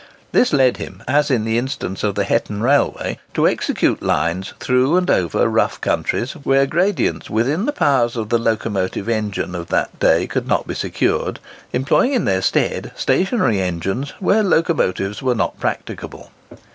This led him, as in the instance of the Hetton Railway, to execute lines through and over rough countries, where gradients within the powers of the locomotive engine of that day could not be secured, employing in their stead stationary engines where locomotives were not practicable.